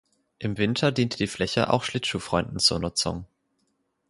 Im Winter diente die Fläche auch Schlittschuhfreunden zur Nutzung.